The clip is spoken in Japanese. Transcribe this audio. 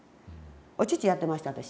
お乳やってました私。